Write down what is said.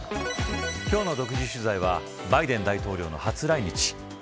今日の独自取材はバイデン大統領の初来日。